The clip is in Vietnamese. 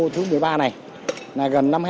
thứ một mươi ba này là gần năm ha